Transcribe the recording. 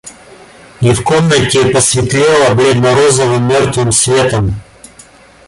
И в комнате посветлело бледно-розовым мертвым светом.